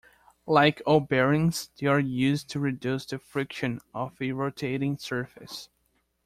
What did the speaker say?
Like all bearings, they are used to reduce the friction of a rotating surface.